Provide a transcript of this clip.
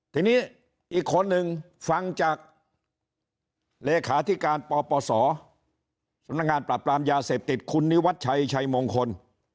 ทีนี้อีกคนนึงฟังจากรคปปศสงปรับรามยาเสพติศคุณิวัชชัยชัยมงคล